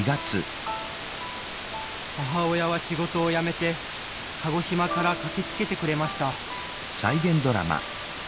母親は仕事を辞めて鹿児島から駆けつけてくれました。